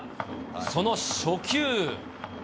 その初球。